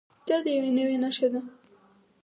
دا د یوې نوعې نښه ده.